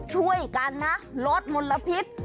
ช่วยกันนะลดมลพิษ